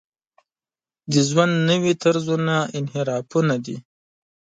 د ژوند نوي طرزونه انحرافونه دي.